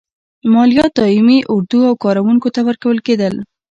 مالیات دایمي اردو او کارکوونکو ته ورکول کېدل.